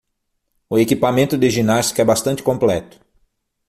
O equipamento de ginástica é bastante completo.